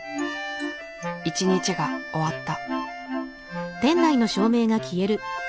一日が終わった。